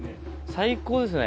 最高ですね。